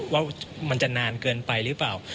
ว่ามันจะนานเกินไปหรือเปล่า